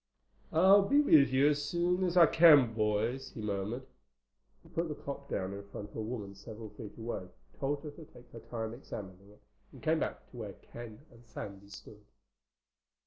"I'll be with you as soon as I can, boys," he murmured. He put the clock down in front of a woman several feet away, told her to take her time examining it, and came back to where Ken and Sandy stood.